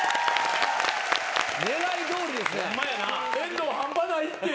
狙いどおりですね。